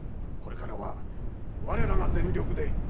これからは我らが全力で。